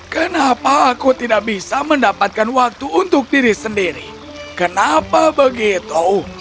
kenapa aku tidak bisa mendapatkan waktu untuk diri sendiri kenapa begitu